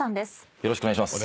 よろしくお願いします。